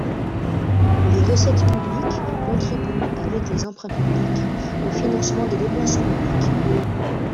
Les recettes publiques contribuent avec les emprunts publics au financement des dépenses publiques.